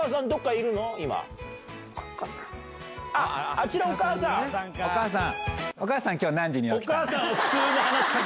あちらお母さん！